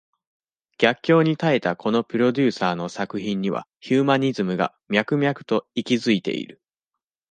逆境に耐えたこのプロデューサーの作品には、ヒューマニズムが、脈々と息ずいている。